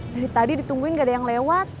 dari tadi ditungguin gak ada yang lewat